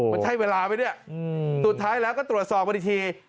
มันใช่เวลาไหมเนี่ยสุดท้ายแล้วก็ตรวจสอบกันอีกที